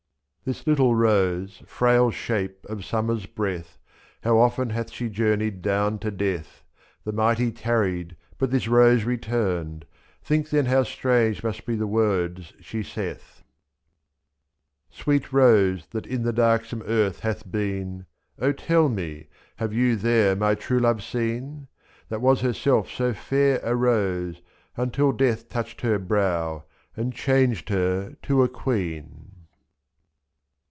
This little rose, frail shape of summer's breath. How often hath she journeyed down to death, 2/7. The mighty tarried, but this rose returned — Think then how strange must be the words she saith. Sweet rose that in the darksome earth hath been, O tell me — have you there my true love seen ? 2/ y. That was herself so fair a rose, until Death touched her brow and changed her to a queen.